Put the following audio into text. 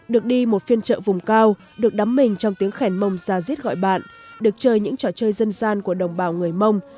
được đi một phiên chợ vùng cao được đắm mình trong tiếng khen mông ra diết gọi bạn được chơi những trò chơi dân gian của đồng bào người mông